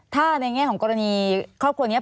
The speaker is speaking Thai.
ถ้าในแง่ของกรณีครอบครัวนี้